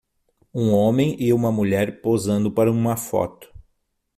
um homem e uma mulher posando para uma foto